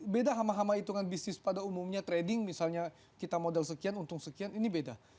beda sama sama hitungan bisnis pada umumnya trading misalnya kita modal sekian untung sekian ini beda